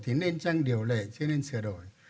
thì nên chăng điều lệ chứ nên sửa đổi